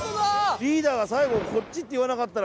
リーダーが最後こっちって言わなかったら。